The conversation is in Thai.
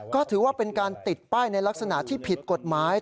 ก็ถือว่าเป็นการติดป้ายในลักษณะที่ผิดกฎหมาย